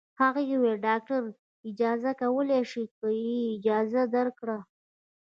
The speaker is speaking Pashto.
هغې وویل: د ډاکټر په اجازه کولای شې، که یې اجازه درکړه.